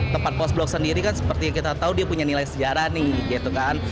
tempat post blok sendiri kan seperti yang kita tahu dia punya nilai sejarah nih gitu kan